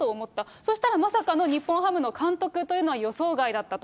そしたらまさかの日本ハムの監督というのは予想外だったと。